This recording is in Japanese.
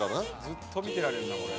ずっと見てられるなこれ。